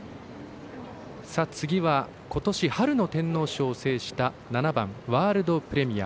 ことし春の天皇賞を制した７番ワールドプレミア。